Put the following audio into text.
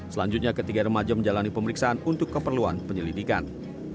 selanjutnya ketiga remaja menjalani pemeriksaan untuk keperluan penyelidikan